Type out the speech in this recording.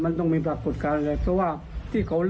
มันต้องมีอะไรปรากฏการศ์